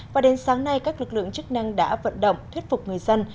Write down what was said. và đến sáng nay các lực lượng chức năng đã vận động thuyết phục người dân